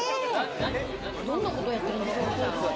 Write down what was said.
どんなことやってるんですか？